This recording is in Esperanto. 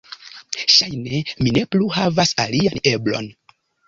"Ŝajne mi ne plu havas alian eblon."